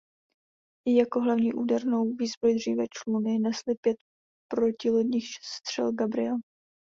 Jako hlavní údernou výzbroj dříve čluny nesly pět protilodních střel Gabriel.